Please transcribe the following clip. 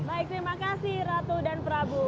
baik terima kasih ratu dan prabu